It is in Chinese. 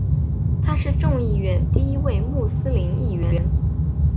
他是众议院第一位穆斯林议员。